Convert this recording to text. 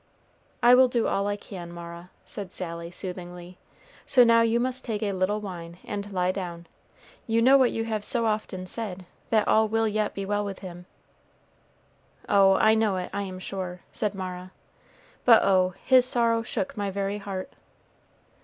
"I will do all I can, Mara," said Sally, soothingly; "so now you must take a little wine and lie down. You know what you have so often said, that all will yet be well with him." "Oh, I know it, I am sure," said Mara, "but oh, his sorrow shook my very heart."